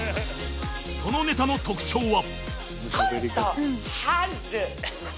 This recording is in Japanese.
そのネタの特徴は